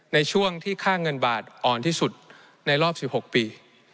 ในช่วงที่ค่าเงินบาทอ่อนที่สุดในรอบ๑๖ปี